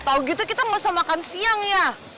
kalau gitu kita nggak usah makan siang ya